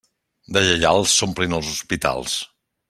De lleials s'omplin els hospitals.